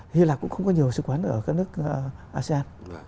hy lạp cũng không có nhiều sứ quán ở các nước asean